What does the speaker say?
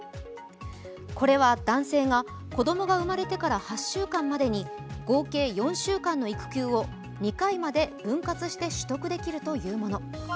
これは男性が子どもが生まれてから８週間までに合計４週間の育休を２回まで分割して取得できるというもの。